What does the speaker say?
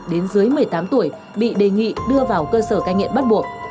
đến dưới một mươi tám tuổi bị đề nghị đưa vào cơ sở cai nghiện bắt buộc